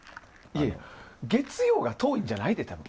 いや、月曜が遠いんじゃないで、多分。